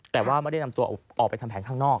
แต่ว่าไม่ได้นำตัวออกไปทำแผนข้างนอก